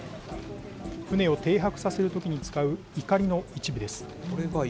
船を停泊させるときに使う、いかりの一部です。